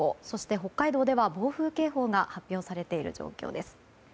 北海道では暴風警報が発表されている状況です。